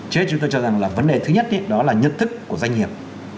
chứ chúng tôi cho rằng là vấn đề thứ nhất đó là nhận thức của doanh nghiệp